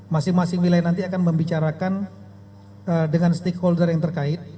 masing masing wilayah nanti akan membicarakan dengan stakeholder yang terkait